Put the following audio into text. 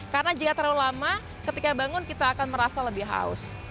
karena jika terlalu lama ketika bangun kita akan merasa lebih haus